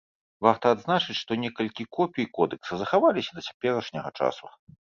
Варта адзначыць, што некалькі копій кодэкса захаваліся да цяперашняга часу.